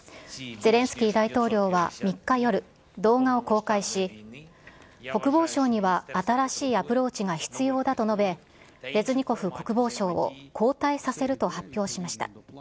ゼレンスキー大統領は３日夜、動画を公開し、国防省には新しいアプローチが必要だと述べ、レズニコフ国防相を交代させると発表しました。